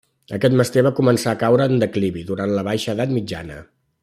Aquest mester va començar a caure en declivi durant la Baixa Edat Mitjana.